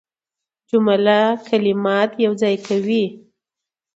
جمله کلمات یوځای کوي.